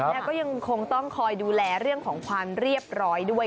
แล้วก็ยังคงต้องคอยดูแลเรื่องของความเรียบร้อยด้วย